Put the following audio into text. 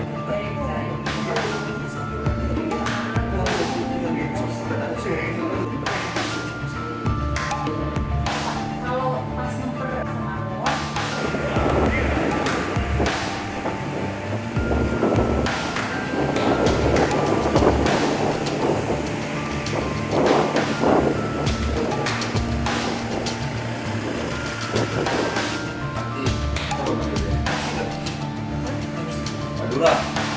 kayaknya lagi kita ketahuan semua